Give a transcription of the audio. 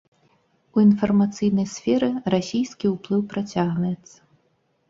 У інфармацыйнай сферы расійскі ўплыў працягваецца.